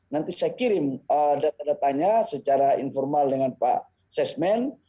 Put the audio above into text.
nanti saya kirim data datanya secara informal dengan pak sesmen